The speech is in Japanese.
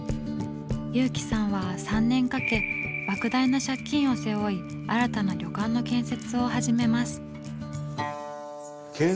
勇毅さんは３年かけばく大な借金を背負い新たな旅館の建設を始めます。